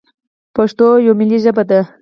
پښتو یوه ملي ژبه ده.